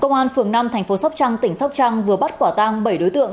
công an phường năm thành phố sóc trăng tỉnh sóc trăng vừa bắt quả tang bảy đối tượng